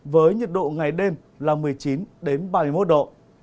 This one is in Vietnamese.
với nhiệt độ ngày đêm là một mươi chín ba mươi một độ